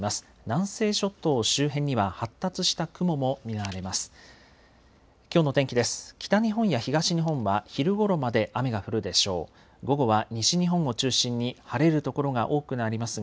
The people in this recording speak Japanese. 南西諸島周辺には発達した雲も見られます。